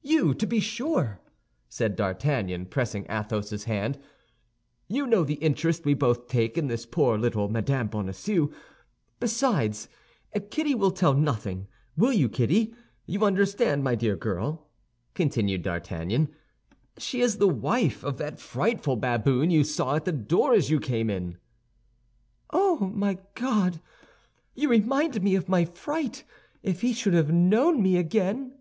"You, to be sure!" said D'Artagnan, pressing Athos's hand. "You know the interest we both take in this poor little Madame Bonacieux. Besides, Kitty will tell nothing; will you, Kitty? You understand, my dear girl," continued D'Artagnan, "she is the wife of that frightful baboon you saw at the door as you came in." "Oh, my God! You remind me of my fright! If he should have known me again!"